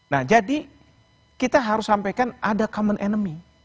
nah jadi kita harus sampaikan ada common enemy